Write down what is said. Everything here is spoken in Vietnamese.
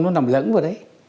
nó nằm lẫn vào đấy